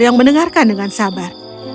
yang mendengarkan dengan sabar